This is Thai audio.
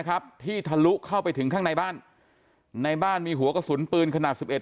ครับที่ทะลุเข้าไปถึงข้างในบ้านในบ้านมีหัวกระสุนปืนขนาดสิบเอ็ด